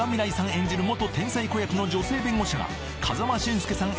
演じる元天才子役の女性弁護士が風間俊介さん